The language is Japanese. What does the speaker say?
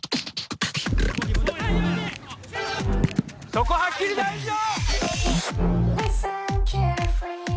そこはっきり大事だ！